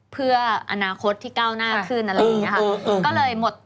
เพื่ออนาคตที่ก้าวหน้าขึ้นอะไรอย่างนี้ค่ะ